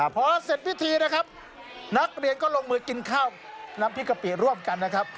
พอเสร็จพิธีนะครับนักเรียนก็ลงมือกินข้าวน้ำพริกกะปิร่วมกันนะครับ